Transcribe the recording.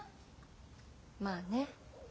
まあね。